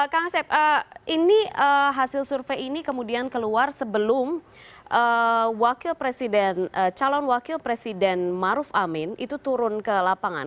kang asep ini hasil survei ini kemudian keluar sebelum calon wakil presiden maruf amin itu turun ke lapangan